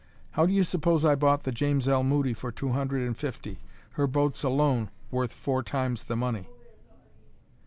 How do you suppose I bought the James L. Moody for two hundred and fifty, her boats alone worth four times the money?